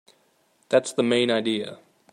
That's the main idea.